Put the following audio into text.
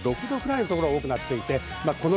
６度くらいの所が多くなっています。